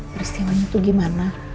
peristiwanya itu gimana